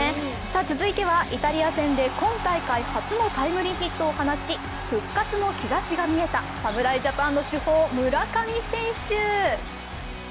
続いてはイタリア戦で今大会初のタイムリーヒットを放ち復活の兆しが見えた侍ジャパンの主砲、村上選手。